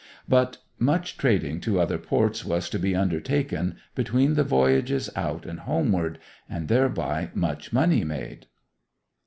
But much trading to other ports was to be undertaken between the voyages out and homeward, and thereby much money made.